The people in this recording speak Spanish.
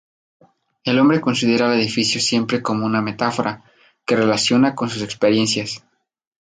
El hombre considera al edificio siempre como una metáfora, que relaciona con sus experiencias.